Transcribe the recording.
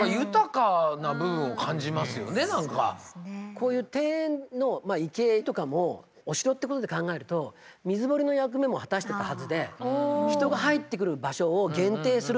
こういう庭園の池とかもお城ってことで考えると水堀の役目も果たしてたはずで人が入ってくる場所を限定する意味があったと思います。